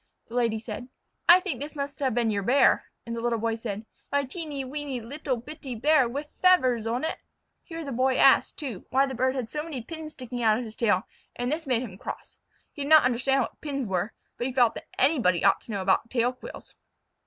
The Lady said: "I think this must have been your Bear," and the Little Boy said: "My teeny weeny little bitty Bear wiv feavers on." He heard the Little Boy ask, too, why the bird had so many pins sticking out of his tail, and this made him cross. He did not understand what pins were, but he felt that anybody ought to know about tail quills.